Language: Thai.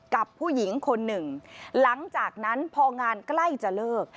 กับผู้หญิงคนหนึ่งหลังจากนั้นพองานใกล้จะเลิก